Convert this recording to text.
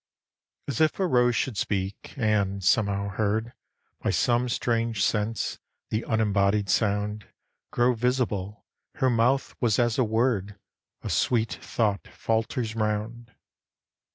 As if a rose should speak and, somehow heard By some strange sense, the unembodied sound Grow visible, her mouth was as a word A sweet thought falters 'round.